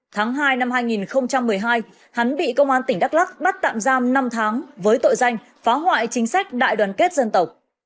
tháng hai năm hai nghìn một mươi hai hắn bị công an tỉnh đắk lắc bắt tạm giam năm tháng với tội danh phá hoại chính sách đại đoàn kết dân tộc